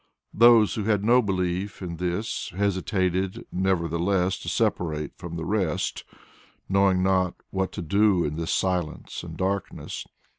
Those who had no belief in this hesitated nevertheless to separate from the rest, knowing not what to do in this silence and darkness.